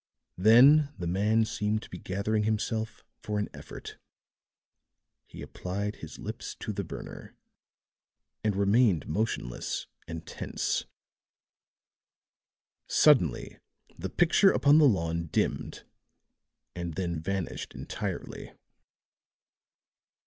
Then the man seemed to be gathering himself for an effort; he applied his lips to the burner and remained motionless and tense; suddenly the picture upon the lawn dimmed and then vanished entirely.